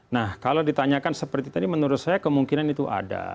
nah kalau ditanyakan seperti tadi menurut saya kemungkinan itu ada